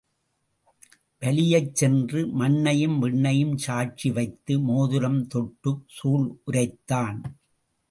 வலியச்சென்று மண்ணையும் விண்ணையும் சாட்சி வைத்து மோதிரம் தொட்டுச் சூள் உரைத்தான்.